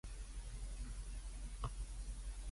崇光感謝祭多人到暈